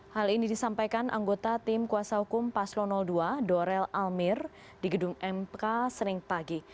hal ini disampaikan anggota tim kuasa hukum paslon dua dorel almir di gedung mk sering pagi